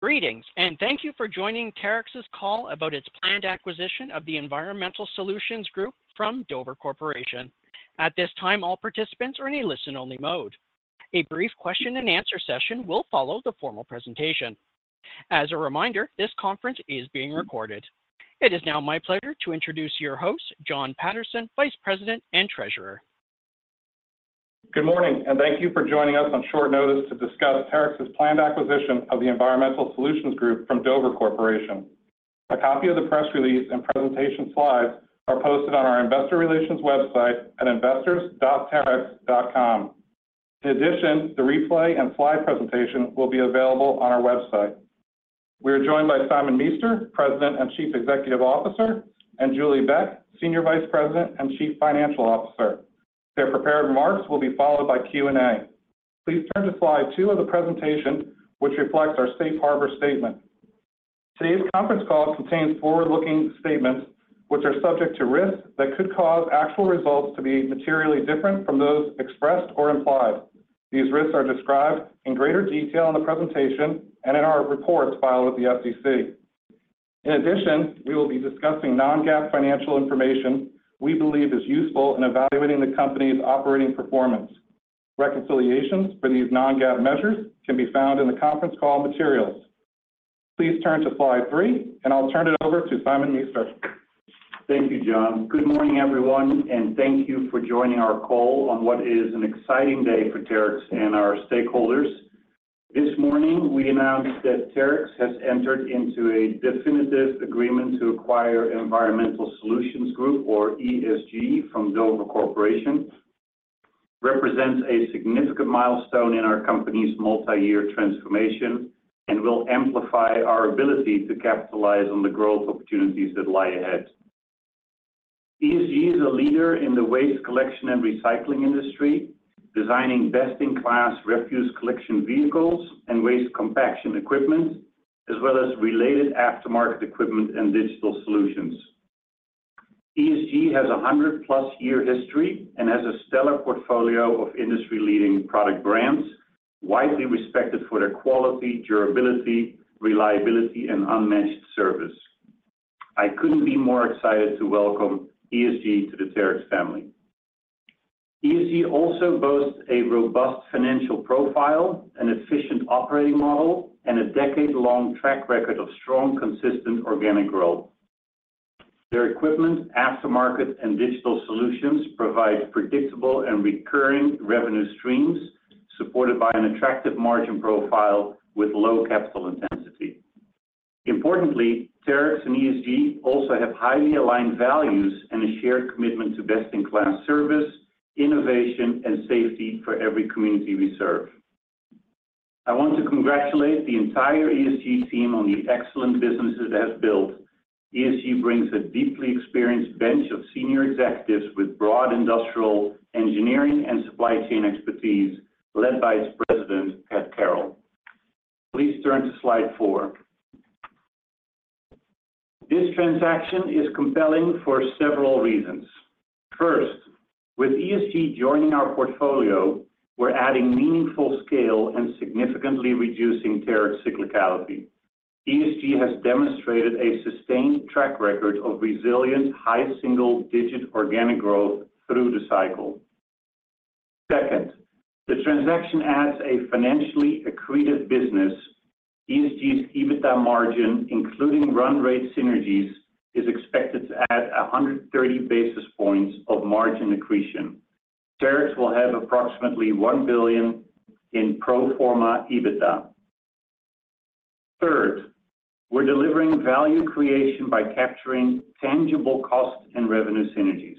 Greetings, and thank you for joining Terex's call about its planned acquisition of the Environmental Solutions Group from Dover Corporation. At this time, all participants are in a listen-only mode. A brief question-and-answer session will follow the formal presentation. As a reminder, this conference is being recorded. It is now my pleasure to introduce your host, Jon Paterson, Vice President and Treasurer. Good morning and thank you for joining us on short notice to discuss Terex's planned acquisition of the Environmental Solutions Group from Dover Corporation. A copy of the press release and presentation slides are posted on our investor relations website at investors.terex.com. In addition, the replay and slide presentation will be available on our website. We are joined by Simon Meester, President and Chief Executive Officer, and Julie Beck, Senior Vice President and Chief Financial Officer. Their prepared remarks will be followed by Q&A. Please turn to slide 2 of the presentation, which reflects our Safe Harbor Statement. Today's conference call contains forward-looking statements, which are subject to risks that could cause actual results to be materially different from those expressed or implied. These risks are described in greater detail in the presentation and in our reports filed with the SEC. In addition, we will be discussing non-GAAP financial information we believe is useful in evaluating the company's operating performance. Reconciliations for these non-GAAP measures can be found in the conference call materials. Please turn to slide three, and I'll turn it over to Simon Meester. Thank you, Jon. Good morning, everyone, and thank you for joining our call on what is an exciting day for Terex and our stakeholders. This morning, we announced that Terex has entered into a definitive agreement to acquire Environmental Solutions Group, or ESG, from Dover Corporation. It represents a significant milestone in our company's multi-year transformation and will amplify our ability to capitalize on the growth opportunities that lie ahead. ESG is a leader in the waste collection and recycling industry, designing best-in-class refuse collection vehicles and waste compaction equipment, as well as related aftermarket equipment and digital solutions. ESG has a 100-plus year history and has a stellar portfolio of industry-leading product brands, widely respected for their quality, durability, reliability, and unmatched service. I couldn't be more excited to welcome ESG to the Terex family. ESG also boasts a robust financial profile, an efficient operating model, and a decade-long track record of strong, consistent organic growth. Their equipment, aftermarket, and digital solutions provide predictable and recurring revenue streams supported by an attractive margin profile with low capital intensity. Importantly, Terex and ESG also have highly aligned values and a shared commitment to best-in-class service, innovation, and safety for every community we serve. I want to congratulate the entire ESG team on the excellent business it has built. ESG brings a deeply experienced bench of senior executives with broad industrial engineering and supply chain expertise, led by its President, Kieran Hegarty. Please turn to slide four. This transaction is compelling for several reasons. First, with ESG joining our portfolio, we're adding meaningful scale and significantly reducing Terex cyclicality. ESG has demonstrated a sustained track record of resilient, high single-digit organic growth through the cycle. Second, the transaction adds a financially accretive business. ESG's EBITDA margin, including run-rate synergies, is expected to add 130 basis points of margin accretion. Terex will have approximately $1 billion in pro forma EBITDA. Third, we're delivering value creation by capturing tangible cost and revenue synergies.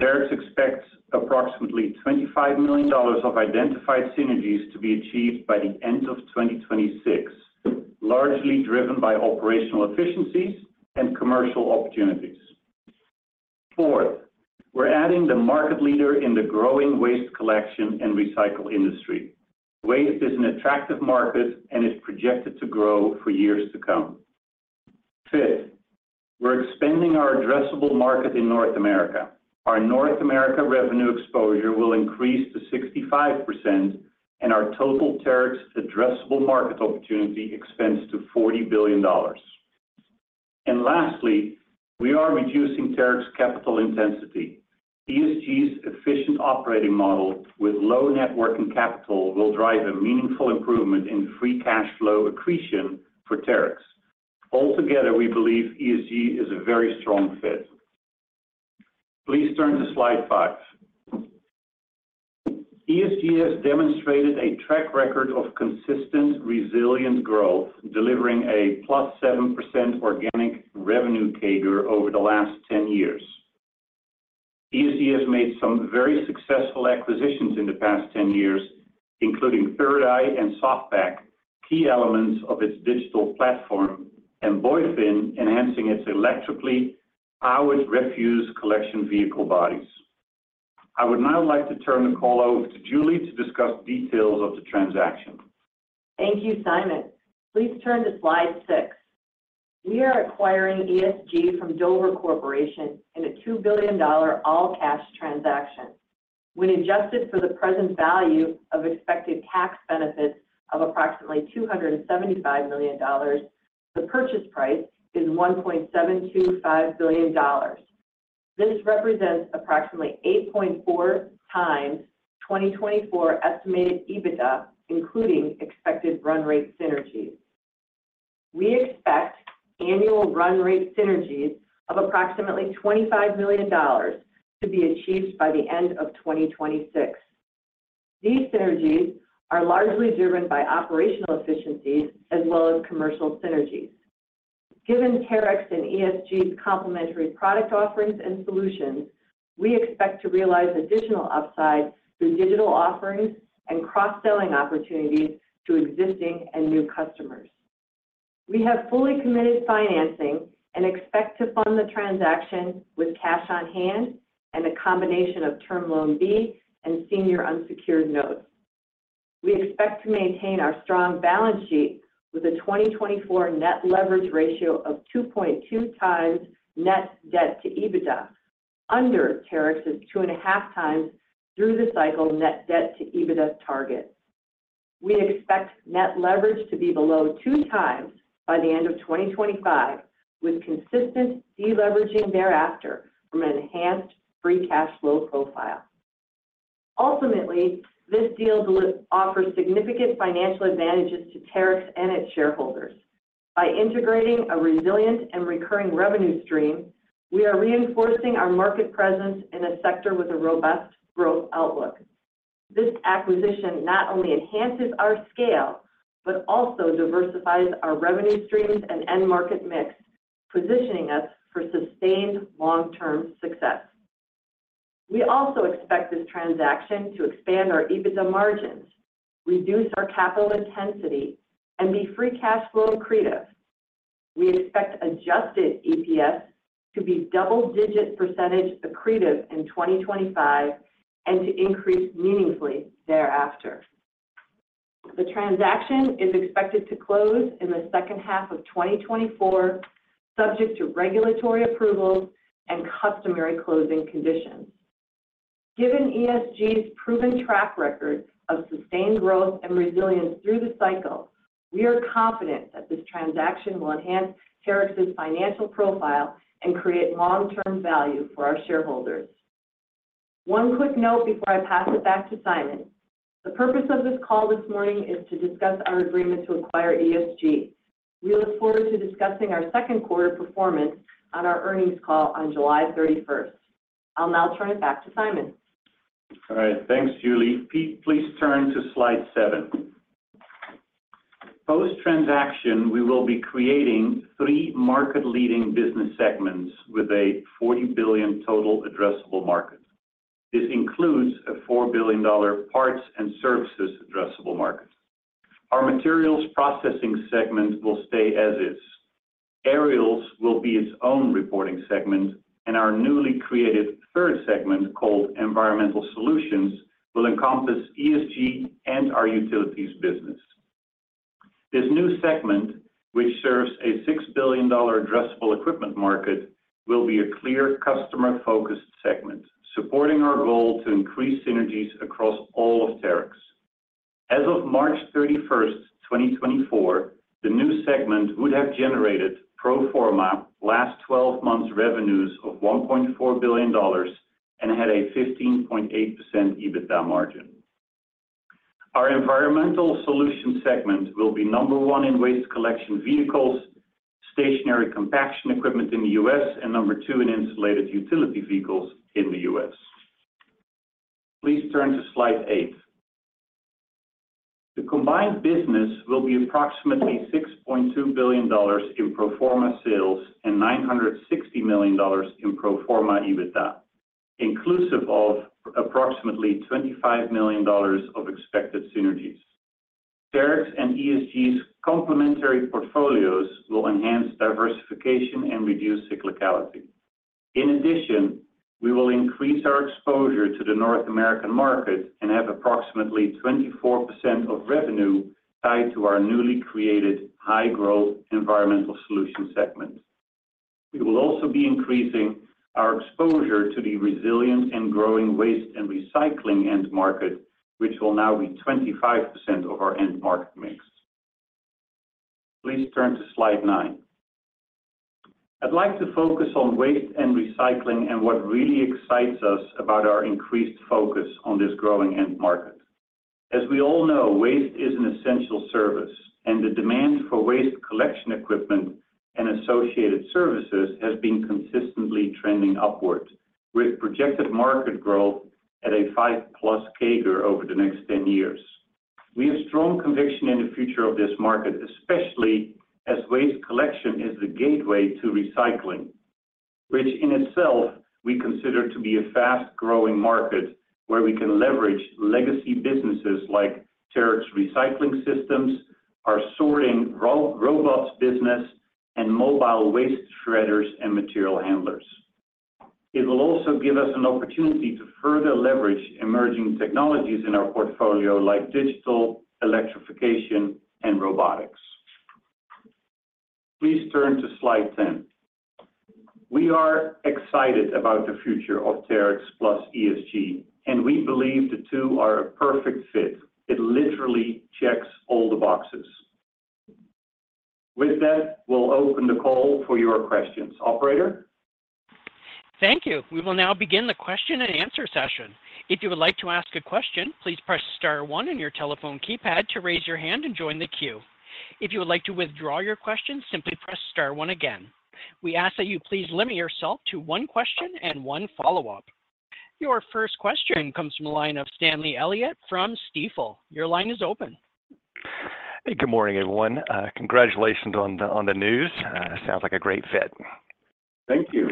Terex expects approximately $25 million of identified synergies to be achieved by the end of 2026, largely driven by operational efficiencies and commercial opportunities. Fourth, we're adding the market leader in the growing waste collection and recycle industry. Waste is an attractive market, and it's projected to grow for years to come. Fifth, we're expanding our addressable market in North America. Our North America revenue exposure will increase to 65%, and our total Terex addressable market opportunity expands to $40 billion. And lastly, we are reducing Terex capital intensity. ESG's efficient operating model with low net working capital will drive a meaningful improvement in free cash flow accretion for Terex. Altogether, we believe ESG is a very strong fit. Please turn to slide five. ESG has demonstrated a track record of consistent, resilient growth, delivering a +7% organic revenue CAGR over the last 10 years. ESG has made some very successful acquisitions in the past 10 years, including 3rd Eye and Soft-Pak, key elements of its digital platform, and Boivin, enhancing its electrically powered refuse collection vehicle bodies. I would now like to turn the call over to Julie to discuss details of the transaction. Thank you, Simon. Please turn to slide six. We are acquiring ESG from Dover Corporation in a $2 billion all-cash transaction. When adjusted for the present value of expected tax benefits of approximately $275 million, the purchase price is $1.725 billion. This represents approximately 8.4x 2024 estimated EBITDA, including expected run rate synergies. We expect annual run rate synergies of approximately $25 million to be achieved by the end of 2026. These synergies are largely driven by operational efficiencies as well as commercial synergies. Given Terex and ESG's complementary product offerings and solutions, we expect to realize additional upside through digital offerings and cross-selling opportunities to existing and new customers. We have fully committed financing and expect to fund the transaction with cash on hand and a combination of Term Loan B and senior unsecured notes. We expect to maintain our strong balance sheet with a 2024 net leverage ratio of 2.2x net debt to EBITDA, under Terex's 2.5x through the cycle net debt to EBITDA target. We expect net leverage to be below 2x by the end of 2025, with consistent deleveraging thereafter from an enhanced free cash flow profile. Ultimately, this deal offers significant financial advantages to Terex and its shareholders. By integrating a resilient and recurring revenue stream, we are reinforcing our market presence in a sector with a robust growth outlook. This acquisition not only enhances our scale, but also diversifies our revenue streams and end market mix, positioning us for sustained long-term success. We also expect this transaction to expand our EBITDA margins, reduce our capital intensity, and be free cash flow accretive. We expect adjusted EPS to be double-digit percentage accretive in 2025 and to increase meaningfully thereafter. The transaction is expected to close in the second half of 2024, subject to regulatory approvals and customary closing conditions. Given ESG's proven track record of sustained growth and resilience through the cycle, we are confident that this transaction will enhance Terex's financial profile and create long-term value for our shareholders. One quick note before I pass it back to Simon. The purpose of this call this morning is to discuss our agreement to acquire ESG. We look forward to discussing our second quarter performance on our earnings call on July 31st. I'll now turn it back to Simon. All right. Thanks, Julie. Pete, please turn to slide seven. Post-transaction, we will be creating three market-leading business segments with a $40 billion total addressable market. This includes a $4 billion parts and services addressable market. Our Materials Processing segment will stay as is. Aerials will be its own reporting segment, and our newly created third segment called Environmental Solutions will encompass ESG and our Utilities business. This new segment, which serves a $6 billion addressable equipment market, will be a clear customer-focused segment, supporting our goal to increase synergies across all of Terex. As of March 31st, 2024, the new segment would have generated pro forma last 12 months' revenues of $1.4 billion and had a 15.8% EBITDA margin. Our Environmental Solutions segment will be number one in waste collection vehicles, stationary compaction equipment in the U.S., and number two in insulated utility vehicles in the U.S. Please turn to slide eight. The combined business will be approximately $6.2 billion in pro forma sales and $960 million in pro forma EBITDA, inclusive of approximately $25 million of expected synergies. Terex and ESG's complementary portfolios will enhance diversification and reduce cyclicality. In addition, we will increase our exposure to the North American market and have approximately 24% of revenue tied to our newly created high-growth Environmental Solutions segment. We will also be increasing our exposure to the resilient and growing waste and recycling end market, which will now be 25% of our end market mix. Please turn to slide nine. I'd like to focus on waste and recycling and what really excites us about our increased focus on this growing end market. As we all know, waste is an essential service, and the demand for waste collection equipment and associated services has been consistently trending upward, with projected market growth at a 5+ CAGR over the next 10 years. We have strong conviction in the future of this market, especially as waste collection is the gateway to recycling, which in itself we consider to be a fast-growing market where we can leverage legacy businesses like Terex Recycling Systems, our sorting robots business, and mobile waste shredders and material handlers. It will also give us an opportunity to further leverage emerging technologies in our portfolio, like digital electrification and robotics. Please turn to slide 10. We are excited about the future of Terex plus ESG, and we believe the two are a perfect fit. It literally checks all the boxes. With that, we'll open the call for your questions. Operator? Thank you. We will now begin the question and answer session. If you would like to ask a question, please press star one on your telephone keypad to raise your hand and join the queue. If you would like to withdraw your question, simply press star one again. We ask that you please limit yourself to one question and one follow-up. Your first question comes from the line of Stanley Elliott from Stifel. Your line is open. Hey, good morning, everyone. Congratulations on the news. Sounds like a great fit. Thank you.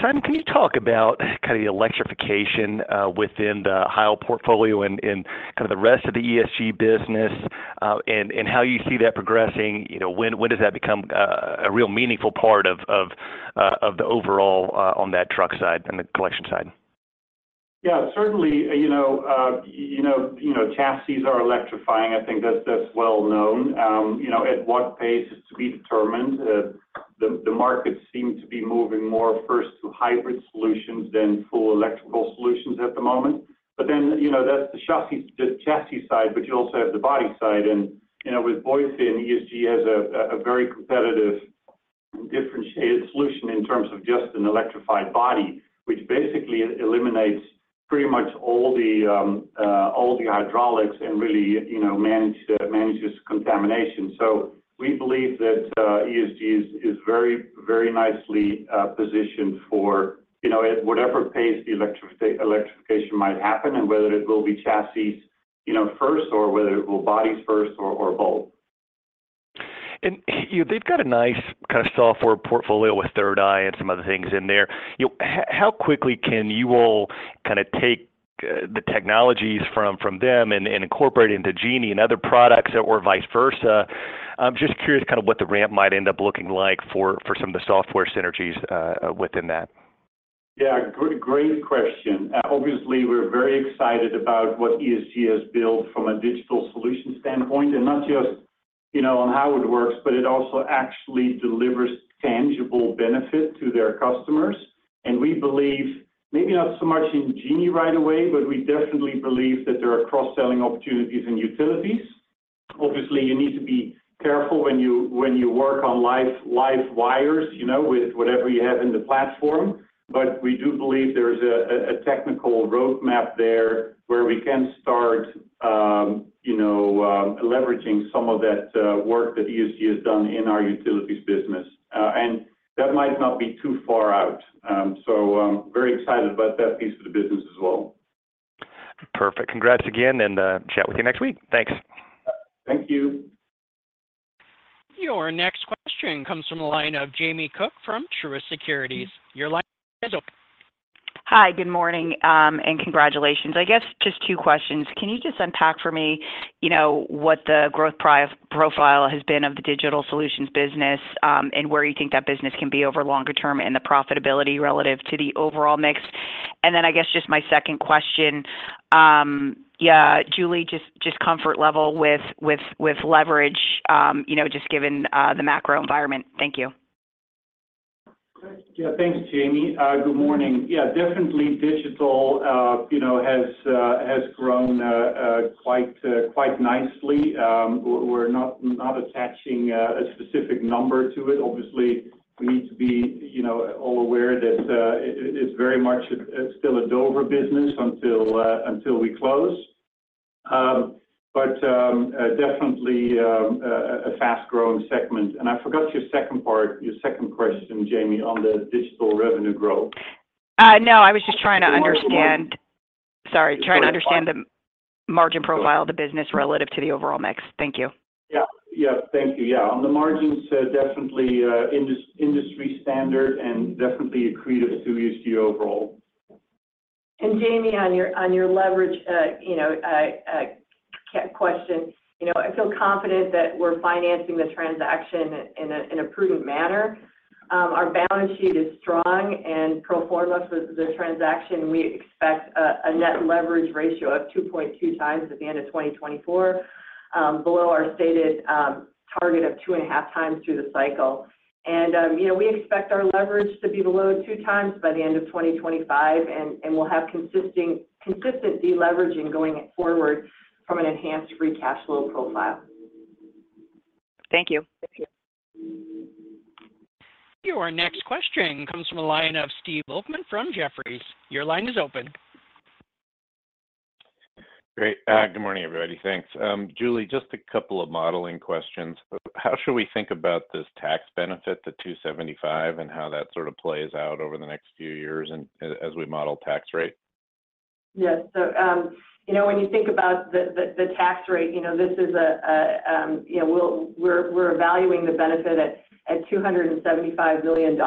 Simon, can you talk about kind of the electrification within the Heil portfolio and kind of the rest of the ESG business and how you see that progressing? When does that become a real meaningful part of the overall on that truck side and the collection side? Yeah, certainly. You know, chassis are electrifying. I think that's well known. At what pace is to be determined. The markets seem to be moving more first to hybrid solutions than full electrical solutions at the moment. But then that's the chassis side, but you also have the body side. And with Boivin, ESG has a very competitive and differentiated solution in terms of just an electrified body, which basically eliminates pretty much all the hydraulics and really manages contamination. So, we believe that ESG is very nicely positioned for whatever pace the electrification might happen and whether it will be chassis first or whether it will be bodies first or both. They've got a nice kind of software portfolio with 3rd Eye and some other things in there. How quickly can you all kind of take the technologies from them and incorporate into Genie and other products or vice versa? I'm just curious kind of what the ramp might end up looking like for some of the software synergies within that. Yeah, great question. Obviously, we're very excited about what ESG has built from a digital solution standpoint and not just on how it works, but it also actually delivers tangible benefit to their customers. And we believe, maybe not so much in Genie right away, but we definitely believe that there are cross-selling opportunities in utilities. Obviously, you need to be careful when you work on live wires with whatever you have in the platform, but we do believe there is a technical roadmap there where we can start leveraging some of that work that ESG has done in our utilities business. And that might not be too far out. So, very excited about that piece of the business as well. Perfect. Congrats again and chat with you next week. Thanks. Thank you. Your next question comes from the line of Jamie Cook from Truist Securities. Your line is open. Hi, good morning and congratulations. I guess just two questions. Can you just unpack for me what the growth profile has been of the digital solutions business and where you think that business can be over longer term and the profitability relative to the overall mix? And then I guess just my second question, yeah, Julie, just comfort level with leverage just given the macro environment. Thank you. Yeah, thanks, Jamie. Good morning. Yeah, definitely digital has grown quite nicely. We're not attaching a specific number to it. Obviously, we need to be all aware that it's very much still a Dover business until we close. But definitely a fast-growing segment. And I forgot your second part, your second question, Jamie, on the digital revenue growth. No, I was just trying to understand. Sorry, trying to understand the margin profile of the business relative to the overall mix. Thank you. Yeah, thank you. Yeah, on the margins, definitely industry standard and definitely accretive to ESG overall. Jamie, on your leverage question, I feel confident that we're financing the transaction in a prudent manner. Our balance sheet is strong and pro forma for the transaction. We expect a net leverage ratio of 2.2x at the end of 2024, below our stated target of 2.5x through the cycle. We expect our leverage to be below 2x by the end of 2025, and we'll have consistent deleveraging going forward from an enhanced free cash flow profile. Thank you. Your next question comes from the line of Steve Volkmann from Jefferies. Your line is open. Great. Good morning, everybody. Thanks. Julie, just a couple of modeling questions. How should we think about this tax benefit, the $275, and how that sort of plays out over the next few years as we model tax rate? Yes. So, when you think about the tax rate, we're evaluating the benefit at $275 million.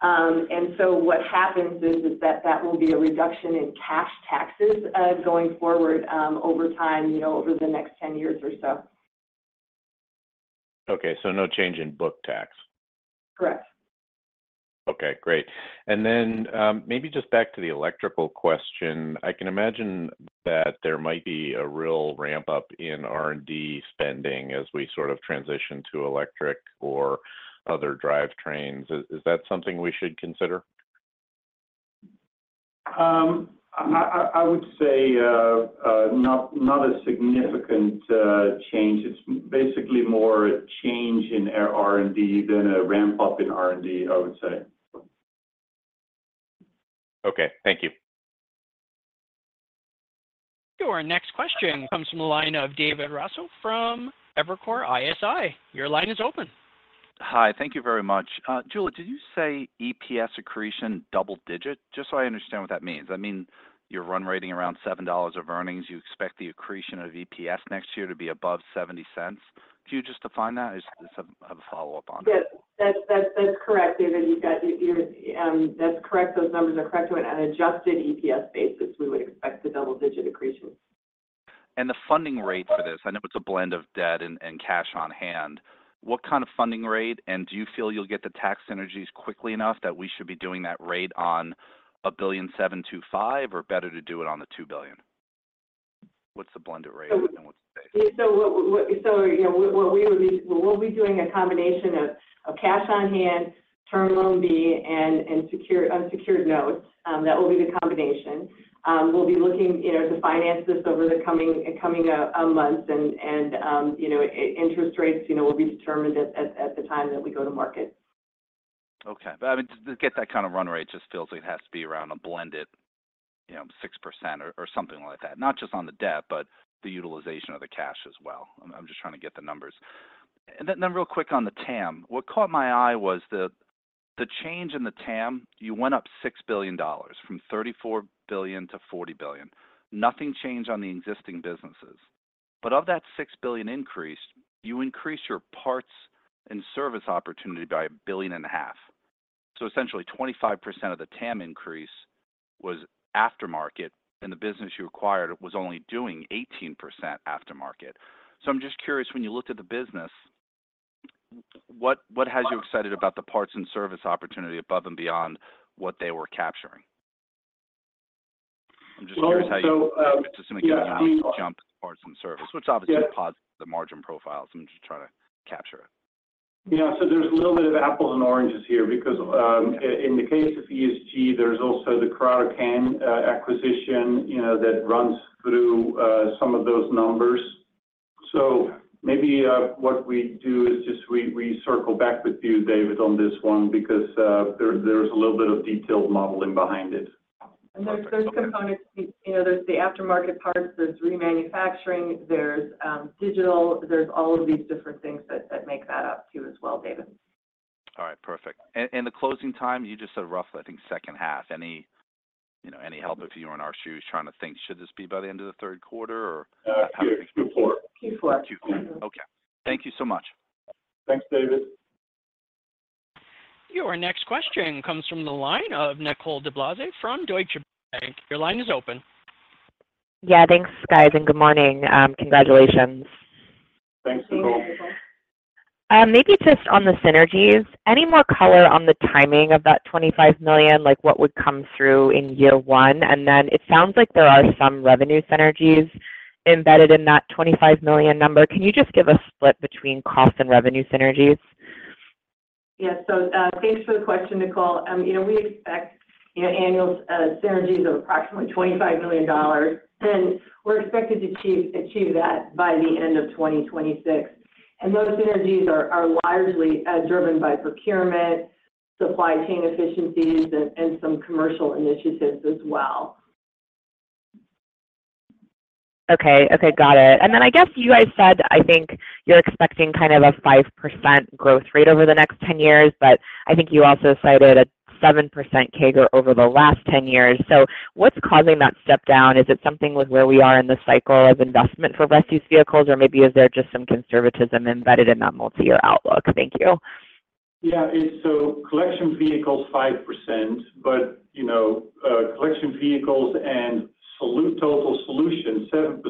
And so, what happens is that that will be a reduction in cash taxes going forward over time, over the next 10 years or so. Okay. So, no change in book tax. Correct. Okay. Great. And then maybe just back to the electrical question. I can imagine that there might be a real ramp-up in R&D spending as we sort of transition to electric or other drivetrains. Is that something we should consider? I would say not a significant change. It's basically more a change in R&D than a ramp-up in R&D, I would say. Okay. Thank you. Your next question comes from the line of David Raso from Evercore ISI. Your line is open. Hi. Thank you very much. Julie, did you say EPS accretion double-digit? Just so I understand what that means. I mean, you're run rating around $7 of earnings. You expect the accretion of EPS next year to be above $0.70. Could you just define that? I have a follow-up on that. Yes. That's correct, David. That's correct. Those numbers are correct. On an Adjusted EPS basis, we would expect the double-digit accretion. The funding rate for this, I know it's a blend of debt and cash on hand. What kind of funding rate, and do you feel you'll get the tax synergies quickly enough that we should be doing that rate on $1.725 billion, or better to do it on the $2 billion? What's the blended rate and what's the base? So, what we will be doing is a combination of cash on hand, Term Loan B, and unsecured notes. That will be the combination. We'll be looking to finance this over the coming months, and interest rates will be determined at the time that we go to market. Okay. But I mean, to get that kind of run rate, it just feels like it has to be around a blended 6% or something like that. Not just on the debt, but the utilization of the cash as well. I'm just trying to get the numbers. And then real quick on the TAM. What caught my eye was the change in the TAM. You went up $6 billion from $34 billion-$40 billion. Nothing changed on the existing businesses. But of that $6 billion increase, you increased your parts and service opportunity by $1.5 billion. So, essentially, 25% of the TAM increase was aftermarket, and the business you acquired was only doing 18% aftermarket. So, I'm just curious, when you looked at the business, what has you excited about the parts and service opportunity above and beyond what they were capturing? I'm just curious how you assuming you didn't have to jump to parts and service, which obviously posits the margin profile. So, I'm just trying to capture it. Yeah. So, there's a little bit of apples and oranges here because in the case of ESG, there's also the Curotto-Can acquisition that runs through some of those numbers. So, maybe what we do is just we circle back with you, David, on this one because there's a little bit of detailed modeling behind it. There's components. There's the aftermarket parts. There's remanufacturing. There's digital. There's all of these different things that make that up too as well, David. All right. Perfect. And the closing time, you just said roughly, I think, second half. Any help if you were in our shoes trying to think, should this be by the end of the third quarter or? Q4. Q4. Q4. Okay. Thank you so much. Thanks, David. Your next question comes from the line of Nicole DeBlase from Deutsche Bank. Your line is open. Yeah. Thanks, guys, and good morning. Congratulations. Thanks, Nicole. Maybe just on the synergies, any more color on the timing of that $25 million, like what would come through in year one? And then it sounds like there are some revenue synergies embedded in that $25 million number. Can you just give a split between cost and revenue synergies? Yeah. So, thanks for the question, Nicole. We expect annual synergies of approximately $25 million, and we're expected to achieve that by the end of 2026. And those synergies are largely driven by procurement, supply chain efficiencies, and some commercial initiatives as well. Okay. Got it. And then I guess you guys said, I think, you're expecting kind of a 5% growth rate over the next 10 years, but I think you also cited a 7% CAGR over the last 10 years. So, what's causing that step down? Is it something with where we are in the cycle of investment for refuse vehicles, or maybe is there just some conservatism embedded in that multi-year outlook? Thank you. Yeah. So, collection vehicles, 5%, but collection vehicles and total solution, 7%.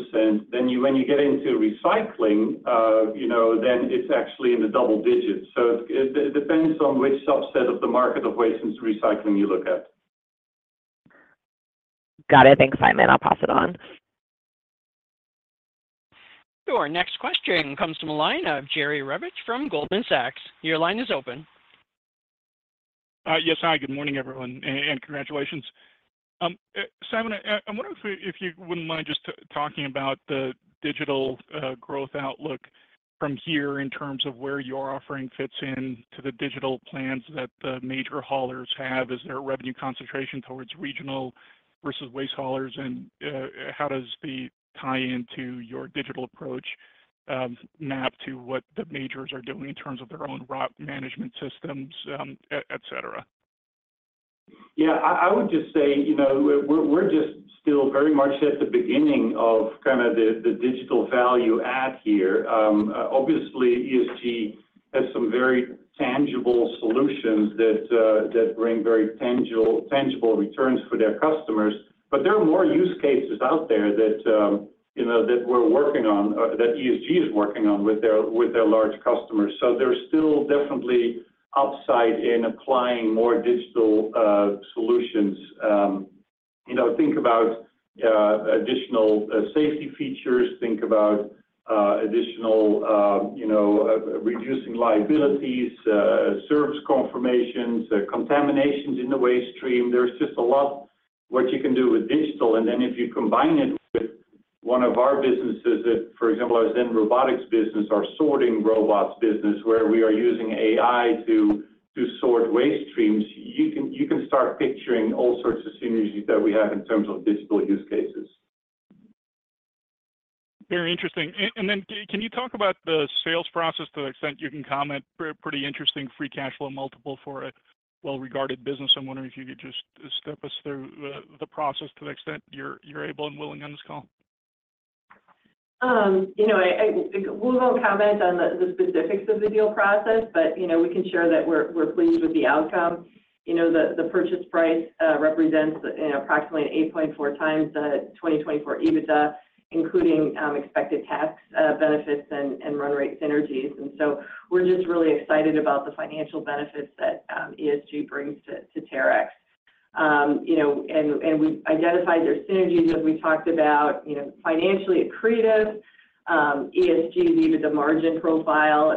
Then when you get into recycling, then it's actually in the double digits. So, it depends on which subset of the market of waste and recycling you look at. Got it. Thanks, Simon. I'll pass it on. Your next question comes from the line of Jerry Revich from Goldman Sachs. Your line is open. Yes, hi. Good morning, everyone, and congratulations. Simon, I wonder if you wouldn't mind just talking about the digital growth outlook from here in terms of where your offering fits into the digital plans that the major haulers have. Is there a revenue concentration towards regional versus waste haulers, and how does the tie-in to your digital approach map to what the majors are doing in terms of their own route management systems, etc.? Yeah. I would just say we're just still very much at the beginning of kind of the digital value add here. Obviously, ESG has some very tangible solutions that bring very tangible returns for their customers, but there are more use cases out there that we're working on, that ESG is working on with their large customers. So, there's still definitely upside in applying more digital solutions. Think about additional safety features. Think about additional reducing liabilities, service confirmations, contaminations in the waste stream. There's just a lot what you can do with digital. And then if you combine it with one of our businesses, for example, our ZenRobotics business, our sorting robot's business, where we are using AI to sort waste streams, you can start picturing all sorts of synergies that we have in terms of digital use cases. Yeah. Interesting. And then can you talk about the sales process to the extent you can comment? Pretty interesting free cash flow multiple for a well-regarded business. I'm wondering if you could just step us through the process to the extent you're able and willing on this call. We won't comment on the specifics of the deal process, but we can share that we're pleased with the outcome. The purchase price represents approximately 8.4x the 2024 EBITDA, including expected tax benefits and run-rate synergies. So, we're just really excited about the financial benefits that ESG brings to Terex. We've identified their synergies, as we talked about, financially accretive. ESG, even the margin profile,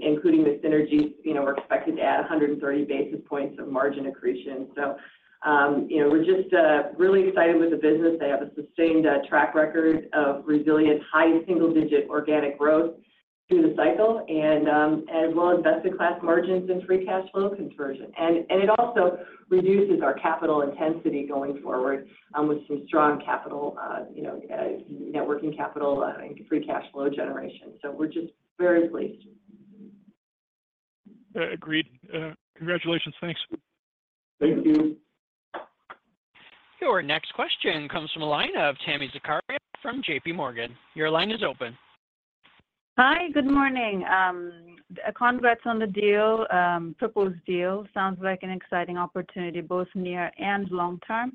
including the synergies, we're expected to add 130 basis points of margin accretion. So, we're just really excited with the business. They have a sustained track record of resilient, high single-digit organic growth through the cycle, and as well as best-in-class margins and free cash flow conversion. It also reduces our capital intensity going forward with some strong capital working capital and free cash flow generation. So, we're just very pleased. Agreed. Congratulations. Thanks. Thank you. Your next question comes from the line of Tami Zakaria from JPMorgan. Your line is open. Hi. Good morning. Congrats on the proposed deal. Sounds like an exciting opportunity both near and long-term.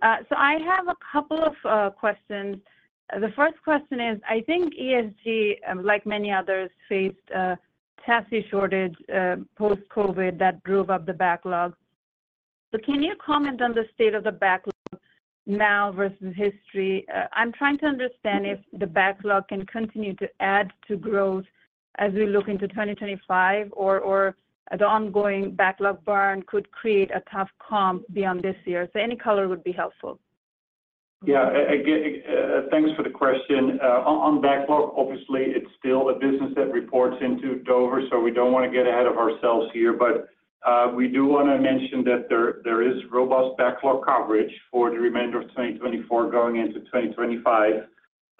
So, I have a couple of questions. The first question is, I think ESG, like many others, faced a chassis shortage post-COVID that drove up the backlog. So, can you comment on the state of the backlog now versus history? I'm trying to understand if the backlog can continue to add to growth as we look into 2025, or the ongoing backlog burn could create a tough comp beyond this year. So, any color would be helpful. Yeah. Thanks for the question. On backlog, obviously, it's still a business that reports into Dover, so we don't want to get ahead of ourselves here, but we do want to mention that there is robust backlog coverage for the remainder of 2024 going into 2025.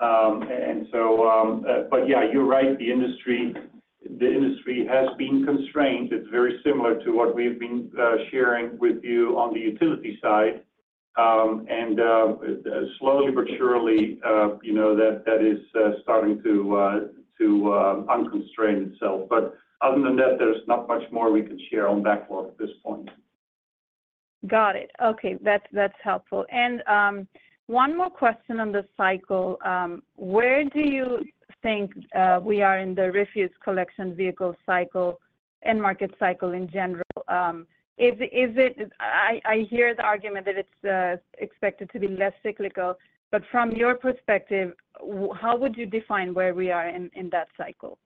And so, but yeah, you're right. The industry has been constrained. It's very similar to what we've been sharing with you on the utility side. And slowly but surely, that is starting to unconstraint itself. But other than that, there's not much more we can share on backlog at this point. Got it. Okay. That's helpful. One more question on the cycle. Where do you think we are in the refuse collection vehicle cycle and market cycle in general? I hear the argument that it's expected to be less cyclical, but from your perspective, how would you define where we are in that cycle?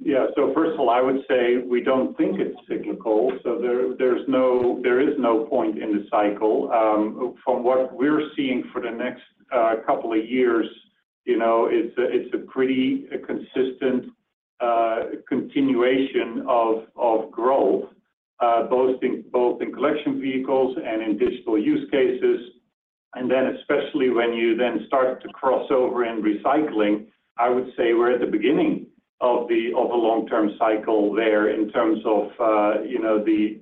Yeah. So, first of all, I would say we don't think it's cyclical. So, there is no point in the cycle. From what we're seeing for the next couple of years, it's a pretty consistent continuation of growth, both in collection vehicles and in digital use cases. And then especially when you then start to cross over in recycling, I would say we're at the beginning of a long-term cycle there in terms of the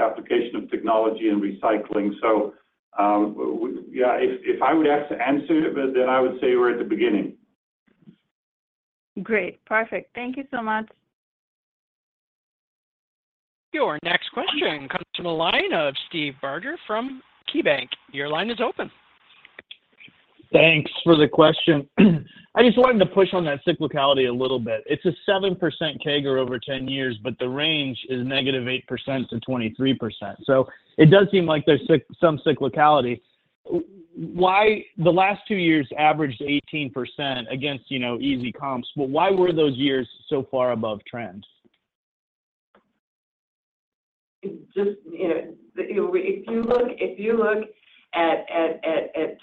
application of technology and recycling. So, yeah, if I would have to answer, then I would say we're at the beginning. Great. Perfect. Thank you so much. Your next question comes from the line of Steve Barger from KeyBanc. Your line is open. Thanks for the question. I just wanted to push on that cyclicality a little bit. It's a 7% CAGR over 10 years, but the range is -8%-23%. So, it does seem like there's some cyclicality. The last two years averaged 18% against easy comps, but why were those years so far above trend? Just if you look at the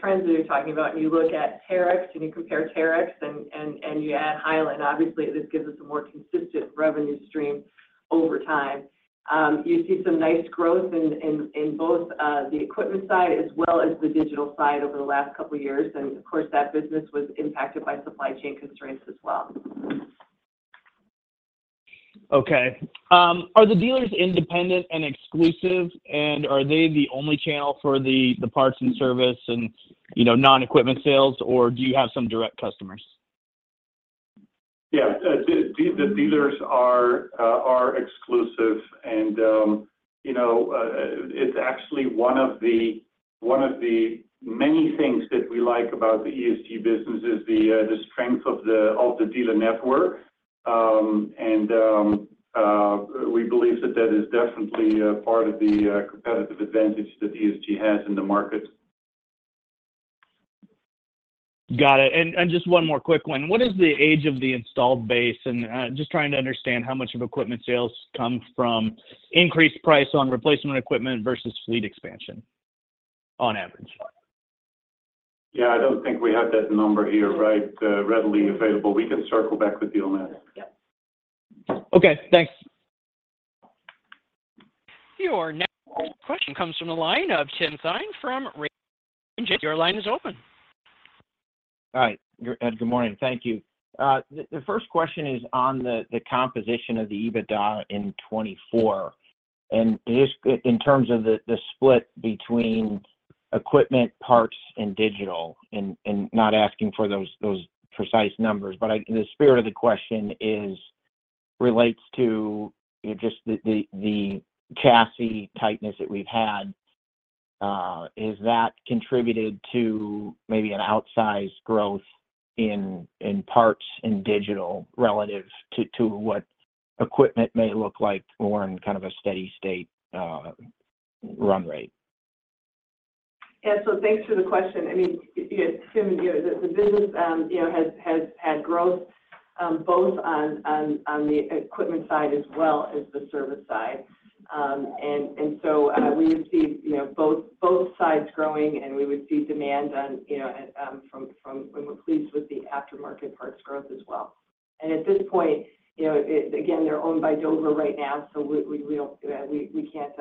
trends that you're talking about and you look at Terex and you compare Terex and you add Heil, obviously, this gives us a more consistent revenue stream over time. You see some nice growth in both the equipment side as well as the digital side over the last couple of years. Of course, that business was impacted by supply chain constraints as well. Okay. Are the dealers independent and exclusive, and are they the only channel for the parts and service and non-equipment sales, or do you have some direct customers? Yeah. The dealers are exclusive, and it's actually one of the many things that we like about the ESG business, is the strength of the dealer network. And we believe that that is definitely part of the competitive advantage that ESG has in the market. Got it. And just one more quick one. What is the age of the installed base? And just trying to understand how much of equipment sales come from increased price on replacement equipment versus fleet expansion on average. Yeah. I don't think we have that number here right readily available. We can circle back with you on that. Yep. Okay. Thanks. Your next question comes from the line of Tim Thein from Raymond James. Your line is open. Hi. Good morning. Thank you. The first question is on the composition of the EBITDA in 2024 and in terms of the split between equipment, parts, and digital, and not asking for those precise numbers. But the spirit of the question relates to just the chassis tightness that we've had. Has that contributed to maybe an outsized growth in parts and digital relative to what equipment may look like more in kind of a steady-state run rate? Yeah. So, thanks for the question. I mean, Tim, the business has had growth both on the equipment side as well as the service side. So, we would see both sides growing, and we would see demand from when we're pleased with the aftermarket parts growth as well. At this point, again, they're owned by Dover right now, so we can't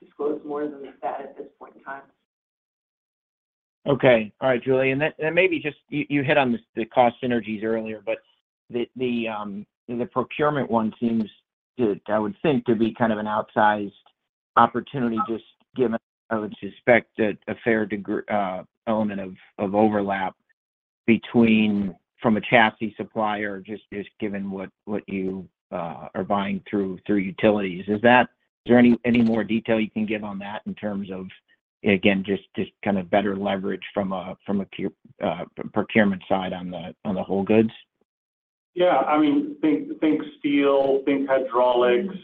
disclose more than that at this point in time. Okay. All right, Julie. And then maybe just you hit on the cost synergies earlier, but the procurement one seems, I would think, to be kind of an outsized opportunity just given, I would suspect, a fair element of overlap from a chassis supplier, just given what you are buying through utilities. Is there any more detail you can give on that in terms of, again, just kind of better leverage from a procurement side on the whole goods? Yeah. I mean, think steel, think hydraulics.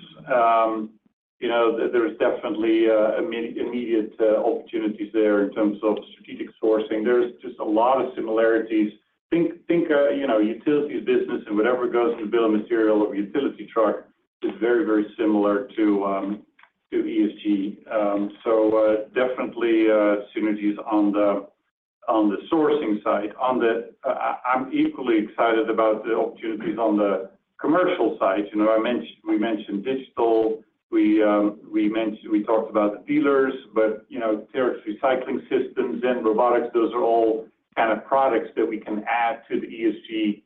There's definitely immediate opportunities there in terms of strategic sourcing. There's just a lot of similarities. Think utilities business and whatever goes in the bill of material or utility truck is very, very similar to ESG. So, definitely synergies on the sourcing side. I'm equally excited about the opportunities on the commercial side. We mentioned digital. We talked about the dealers, but Terex Recycling Systems and robotics, those are all kind of products that we can add to the ESG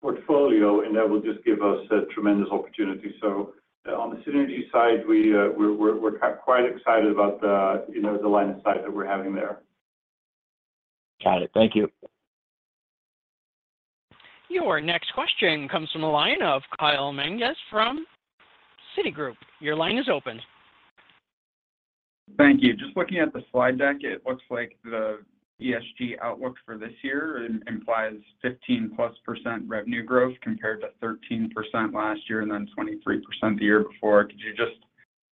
portfolio, and that will just give us a tremendous opportunity. So, on the synergy side, we're quite excited about the line of sight that we're having there. Got it. Thank you. Your next question comes from the line of Kyle Menges from Citigroup. Your line is open. Thank you. Just looking at the slide deck, it looks like the ESG outlook for this year implies 15%+ revenue growth compared to 13% last year and then 23% the year before. Could you just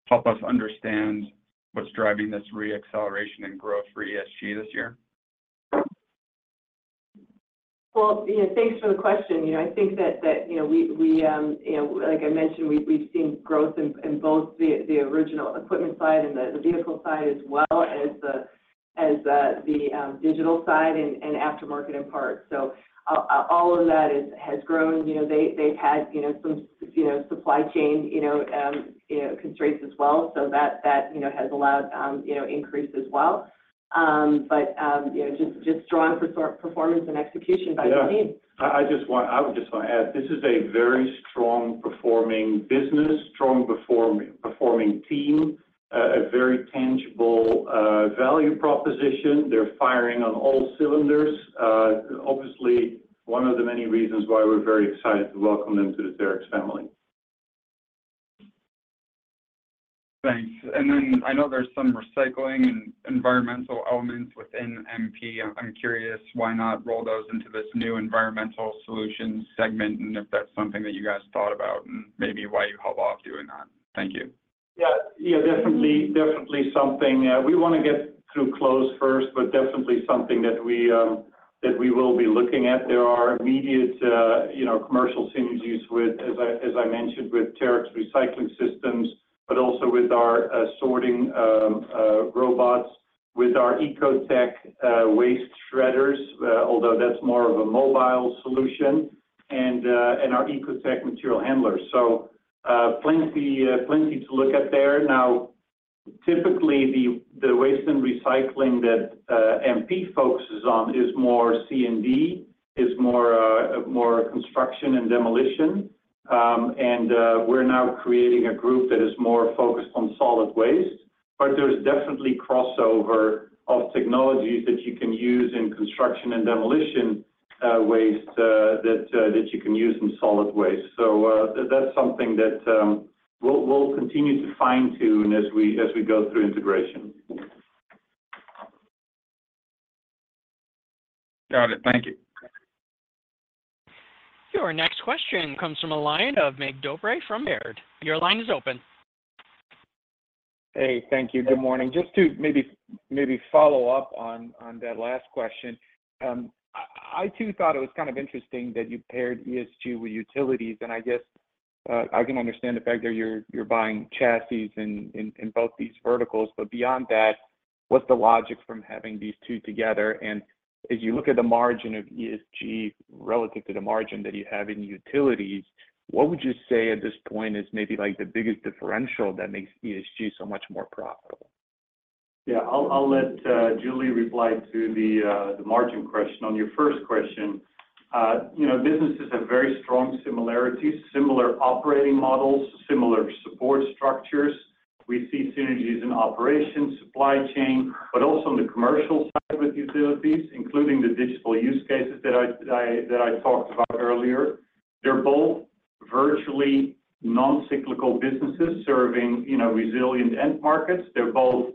help us understand what's driving this re-acceleration and growth for ESG this year? Well, thanks for the question. I think that we, like I mentioned, we've seen growth in both the original equipment side and the vehicle side as well as the digital side and aftermarket and parts. So, all of that has grown. They've had some supply chain constraints as well, so that has allowed increase as well. But just drawing for performance and execution by the team. Yeah. I would just want to add, this is a very strong-performing business, strong-performing team, a very tangible value proposition. They're firing on all cylinders. Obviously, one of the many reasons why we're very excited to welcome them to the Terex family. Thanks. And then I know there's some recycling and environmental elements within MP. I'm curious why not roll those into this new Environmental Solutions segment and if that's something that you guys thought about and maybe why you held off doing that. Thank you. Yeah. Definitely something. We want to get through close first, but definitely something that we will be looking at. There are immediate commercial synergies, as I mentioned, with Terex Recycling Systems, but also with our sorting robots, with our Ecotec waste shredders, although that's more of a mobile solution, and our Ecotec material handlers. So, plenty to look at there. Now, typically, the waste and recycling that MP focuses on is more C&D, is more construction and demolition. We're now creating a group that is more focused on solid waste. There's definitely crossover of technologies that you can use in construction and demolition waste that you can use in solid waste. So, that's something that we'll continue to fine-tune as we go through integration. Got it. Thank you. Your next question comes from the line of Mircea Dobre from Baird. Your line is open. Hey. Thank you. Good morning. Just to maybe follow up on that last question, I too thought it was kind of interesting that you paired ESG with utilities. I guess I can understand the fact that you're buying chassis in both these verticals. Beyond that, what's the logic from having these two together? As you look at the margin of ESG relative to the margin that you have in utilities, what would you say at this point is maybe the biggest differential that makes ESG so much more profitable? Yeah. I'll let Julie reply to the margin question. On your first question, businesses have very strong similarities, similar operating models, similar support structures. We see synergies in operations, supply chain, but also on the commercial side with utilities, including the digital use cases that I talked about earlier. They're both virtually non-cyclical businesses serving resilient end markets. They're both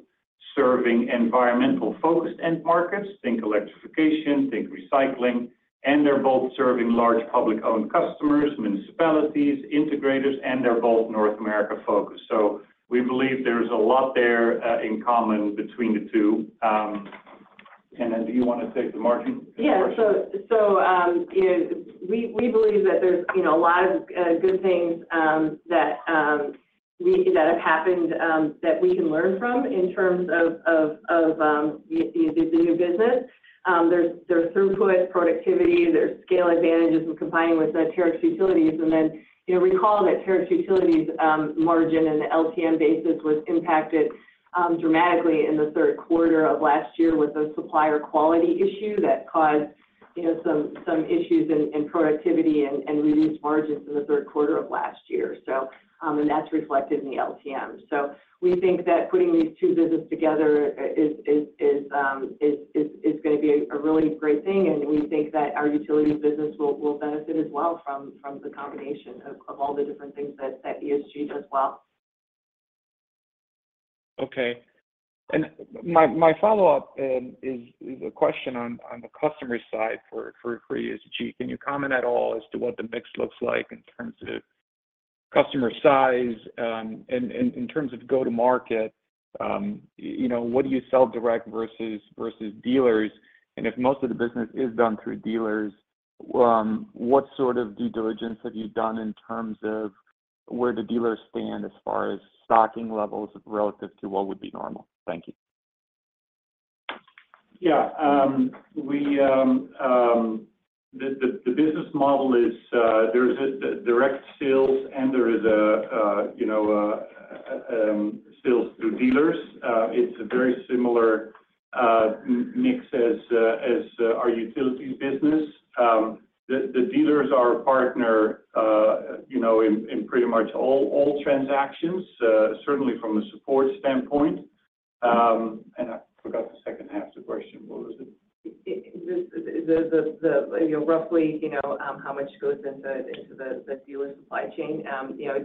serving environmental-focused end markets. Think electrification, think recycling. And they're both serving large public-owned customers, municipalities, integrators, and they're both North America-focused. So, we believe there's a lot there in common between the two. Do you want to take the margin question? Yeah. So, we believe that there's a lot of good things that have happened that we can learn from in terms of the new business. There's throughput, productivity. There's scale advantages in complying with Terex Utilities. And then recall that Terex Utilities' margin and LTM basis was impacted dramatically in the third quarter of last year with a supplier quality issue that caused some issues in productivity and reduced margins in the third quarter of last year. And that's reflected in the LTM. So, we think that putting these two businesses together is going to be a really great thing. And we think that our utilities business will benefit as well from the combination of all the different things that ESG does well. Okay. My follow-up is a question on the customer side for ESG. Can you comment at all as to what the mix looks like in terms of customer size and in terms of go-to-market? What do you sell direct versus dealers? And if most of the business is done through dealers, what sort of due diligence have you done in terms of where do dealers stand as far as stocking levels relative to what would be normal? Thank you. Yeah. The business model is there is a direct sales, and there is a sales through dealers. It's a very similar mix as our utilities business. The dealers are a partner in pretty much all transactions, certainly from the support standpoint. I forgot the second half of the question. What was it? Then, roughly, how much goes into the dealer supply chain.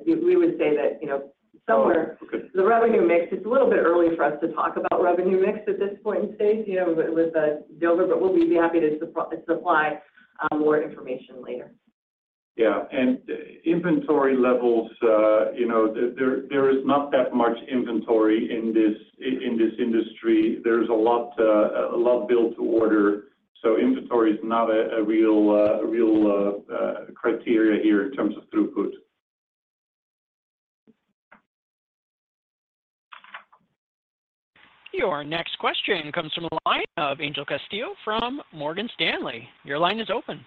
We would say that somewhere the revenue mix. It's a little bit early for us to talk about revenue mix at this point in stage with Dover, but we'll be happy to supply more information later. Yeah. Inventory levels, there is not that much inventory in this industry. There's a lot built to order. Inventory is not a real criteria here in terms of throughput. Your next question comes from the line of Angel Castillo from Morgan Stanley. Your line is open.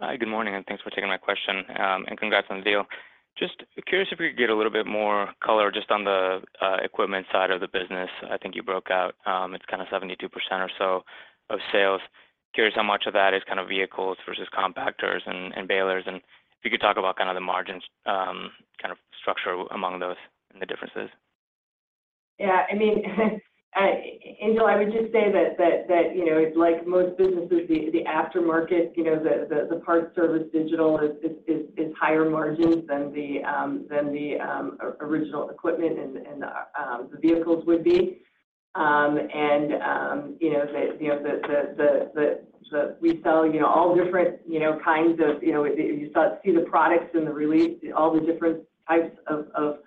Hi. Good morning, and thanks for taking my question. And congrats on the deal. Just curious if we could get a little bit more color just on the equipment side of the business. I think you broke out. It's kind of 72% or so of sales. Curious how much of that is kind of vehicles versus compactors and balers. And if you could talk about kind of the margins, kind of structure among those and the differences. Yeah. I mean, Angel, I would just say that like most businesses, the aftermarket, the parts, service, digital is higher margins than the original equipment and the vehicles would be. And that we sell all different kinds of you see the products and all the different types of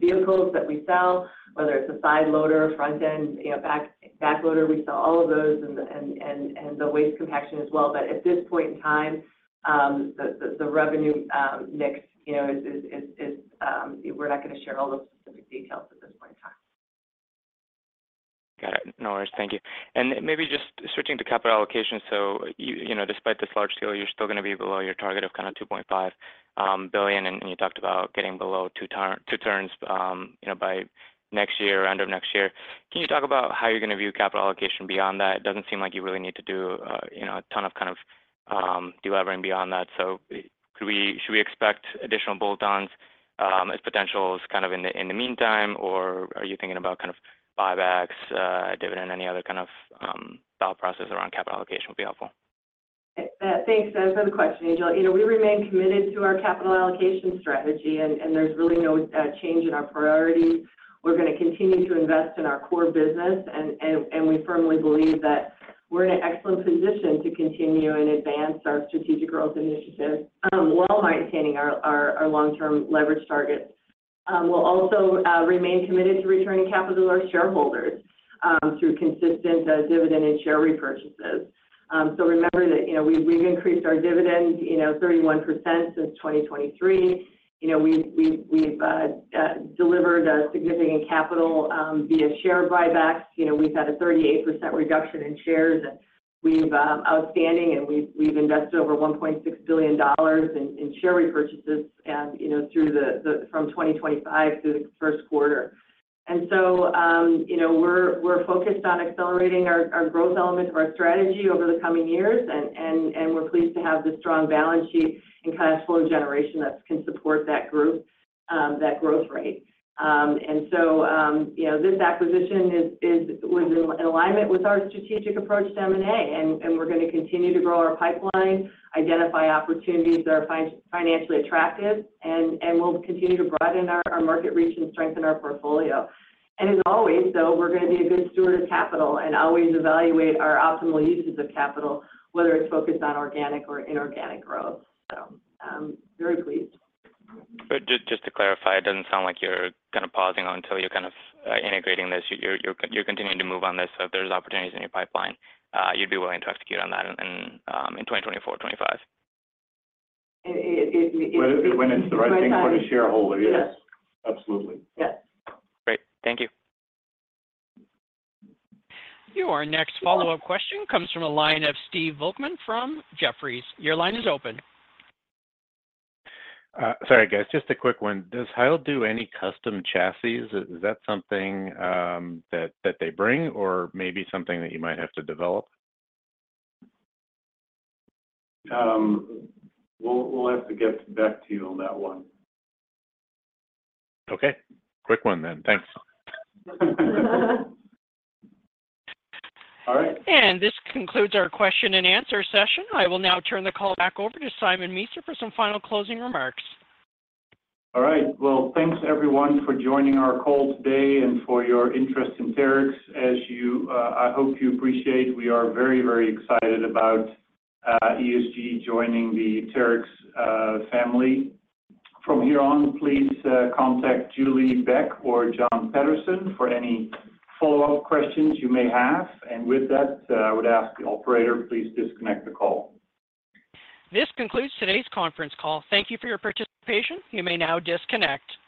vehicles that we sell, whether it's a side loader, front-end, back loader. We sell all of those and the waste compaction as well. But at this point in time, the revenue mix is we're not going to share all the specific details at this point in time. Got it. No worries. Thank you. And maybe just switching to capital allocation. So, despite this large scale, you're still going to be below your target of kind of $2.5 billion, and you talked about getting below 2 turns by next year or end of next year. Can you talk about how you're going to view capital allocation beyond that? It doesn't seem like you really need to do a ton of kind of delivering beyond that. So, should we expect additional bolt-ons as potentials kind of in the meantime, or are you thinking about kind of buybacks, dividend, any other kind of thought process around capital allocation would be helpful? Thanks for the question, Angel. We remain committed to our capital allocation strategy, and there's really no change in our priorities. We're going to continue to invest in our core business, and we firmly believe that we're in an excellent position to continue and advance our strategic growth initiative, while maintaining our long-term leverage targets. We'll also remain committed to returning capital to our shareholders through consistent dividend and share repurchases. So, remember that we've increased our dividend 31% since 2023. We've delivered significant capital via share buybacks. We've had a 38% reduction in shares outstanding, and we've invested over $1.6 billion in share repurchases from 2023 through the first quarter of 2025. We're focused on accelerating our growth element of our strategy over the coming years, and we're pleased to have the strong balance sheet and cash flow generation that can support that growth rate. This acquisition was in alignment with our strategic approach to M&A, and we're going to continue to grow our pipeline, identify opportunities that are financially attractive, and we'll continue to broaden our market reach and strengthen our portfolio. As always, though, we're going to be a good steward of capital and always evaluate our optimal uses of capital, whether it's focused on organic or inorganic growth. Very pleased. Just to clarify, it doesn't sound like you're kind of pausing until you're kind of integrating this. You're continuing to move on this. So, if there's opportunities in your pipeline, you'd be willing to execute on that in 2024, 2025? When it's the right thing for the shareholder. Yes. Absolutely. Yes. Great. Thank you. Your next follow-up question comes from a line of Steve Volkman from Jefferies. Your line is open. Sorry, guys. Just a quick one. Does Heil do any custom chassis? Is that something that they bring or maybe something that you might have to develop? We'll have to get back to you on that one. Okay. Quick one then. Thanks. All right. This concludes our question and answer session. I will now turn the call back over to Simon Meester for some final closing remarks. All right. Well, thanks, everyone, for joining our call today and for your interest in Terex. I hope you appreciate we are very, very excited about ESG joining the Terex family. From here on, please contact Julie Beck or Jon Paterson for any follow-up questions you may have. And with that, I would ask the operator, please disconnect the call. This concludes today's conference call. Thank you for your participation. You may now disconnect.